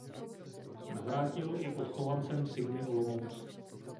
Navrátil je odchovancem Sigmy Olomouc.